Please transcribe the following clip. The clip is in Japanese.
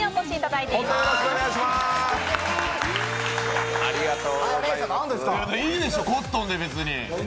いいでしょ、コットンで。